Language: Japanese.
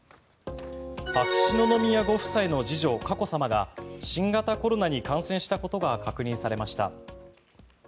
秋篠宮ご夫妻の次女佳子さまが新型コロナに感染したことが確認されました。